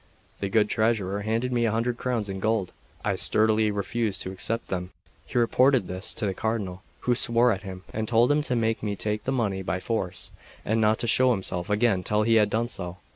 The good treasurer handed me a hundred crowns in gold. I sturdily refused to accept them. He reported this to the Cardinal, who swore at him, and told him to make me take the money by force, and not to show himself again till he had done so.